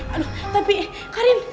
aduh tapi karin